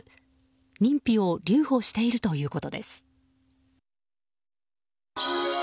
認否を留保しているということです。